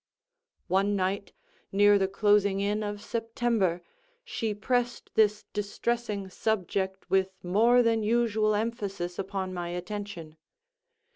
One night, near the closing in of September, she pressed this distressing subject with more than usual emphasis upon my attention.